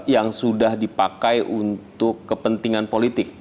yang sudah dipakai untuk kepentingan politik